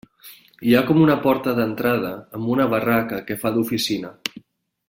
Hi ha com una porta d'entrada amb una barraca que fa d'oficina.